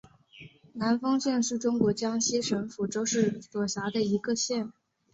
南丰县是中国江西省抚州市所辖的一个县。